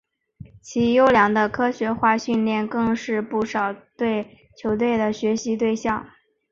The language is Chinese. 其优良的科学化训练更是不少球队的学习对象。